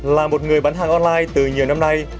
là một người bán hàng online từ nhiều năm nay